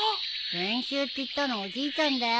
練習って言ったのおじいちゃんだよ。